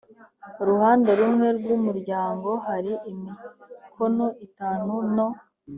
ruhande rumwe rw umuryango hari imikono itanu no